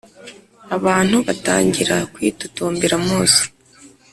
Abantu batangira kwitotombera Mose